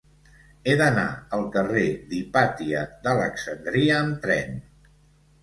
He d'anar al carrer d'Hipàtia d'Alexandria amb tren.